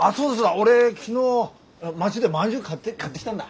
俺昨日町でまんじゅう買って買ってきたんだ。